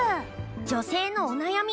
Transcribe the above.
女性のお悩み